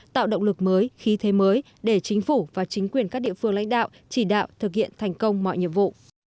tạo động lực mới khí thế mới để chính phủ và chính quyền các địa phương lãnh đạo chỉ đạo thực hiện thành công mọi nhiệm vụ